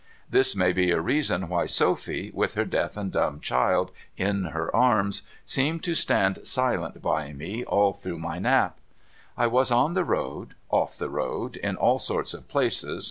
This may be a reason why Sophy, willi her deaf and dumb cliild in her arms, seemed to stand silent by me all through my nap. 1 was on the road, off the road, in all sorts of places.